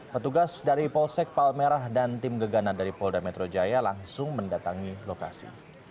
petugas dari polsek palmerah dan tim gegana dari polda metro jaya langsung mendatangi lokasi